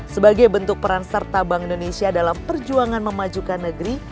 sebagai bentuk peran serta bank indonesia dalam perjuangan memajukan negeri